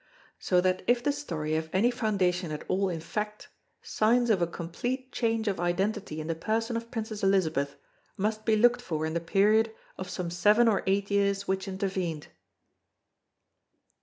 So that if the story have any foundation at all in fact, signs of a complete change of identity in the person of Princess Elizabeth must be looked for in the period of some seven or eight years which intervened.